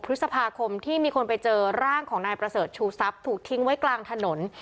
พฤษภาคมที่มีคนไปเจอร่างของนายประเสริฐชูทรัพย์ถูกทิ้งไว้กลางถนน